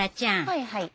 はいはい。